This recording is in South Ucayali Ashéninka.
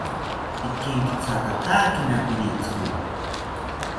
Ikenkithatakakina pirithori